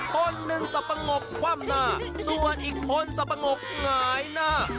คนหนึ่งสับปะงบคว่ำหน้าส่วนอีกคนสับปะงบหงายหน้า